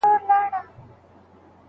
ایا ډاکټره د لوړ ږغ سره پاڼه ړنګوي؟